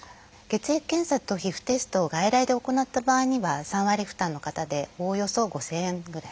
血液検査と皮膚テストを外来で行った場合には３割負担の方でおおよそ５，０００円ぐらい。